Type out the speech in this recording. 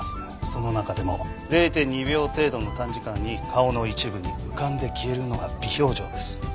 その中でも０．２秒程度の短時間に顔の一部に浮かんで消えるのが微表情です。